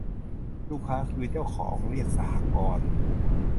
ลูกค้าคือเจ้าของ เรียก สหกรณ์